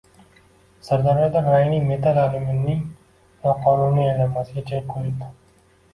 Sirdaryoda rangli metall – alyuminiyning noqonuniy aylanmasiga chek qo‘yildi